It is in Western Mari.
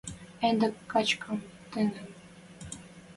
Ӹнде качкам тӹньӹм.